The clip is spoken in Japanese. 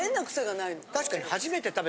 確かに。